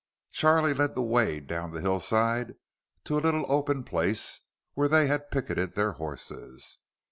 Charlie led the way down the hillside to a little open place where they had picketed their horses.